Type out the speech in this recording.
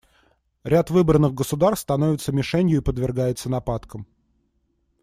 Ряд выбранных государств становится мишенью и подвергается нападкам.